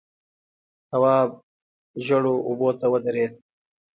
تواب ژېړو اوبو ته ودرېد.